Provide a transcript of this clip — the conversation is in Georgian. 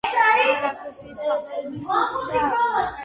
ფრაქცია „სახალხო პარტიის“ წევრი.